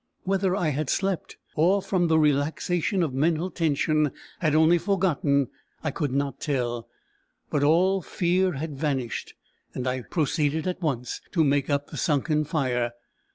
Whether I had slept, or, from the relaxation of mental tension, had only forgotten, I could not tell; but all fear had vanished, and I proceeded at once to make up the sunken fire.